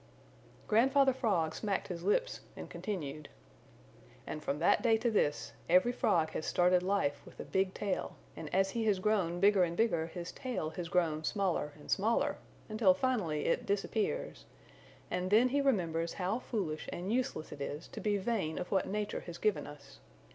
Grandfather Frog smacked his lips and continued: "And from that day to this every Frog has started life with a big tail, and as he has grown bigger and bigger his tail has grown smaller and smaller, until finally it disappears, and then he remembers how foolish and useless it is to be vain of what nature has given us.